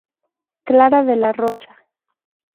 Clara de la Rocha